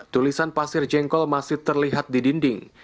tulisan pasir jengkol masih terlihat di dinding